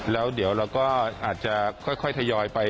แล้วเดี๋ยวเราก็อาจจะค่อยทยอยไป